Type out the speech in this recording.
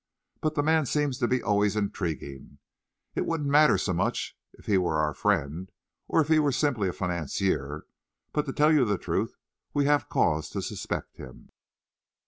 But the man seems to be always intriguing. It wouldn't matter so much if he were our friend, or if he were simply a financier, but to tell you the truth, we have cause to suspect him."